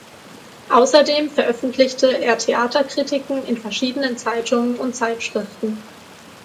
Außerdem veröffentlichte er Theaterkritiken in verschiedenen Zeitungen und Zeitschriften.